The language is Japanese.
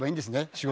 仕事。